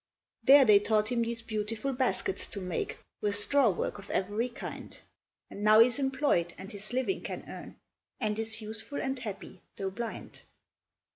"There they taught him these beautiful baskets to make, With straw work of every kind; And now he's employ'd, and his living can earn, And is useful and happy, though blind."